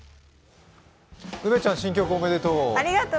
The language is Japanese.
梅ちゃん新曲おめでとう。